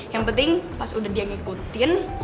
yang penting pas udah dia ngikutin